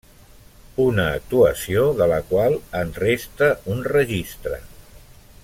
Una actuació de la qual en resta un registre.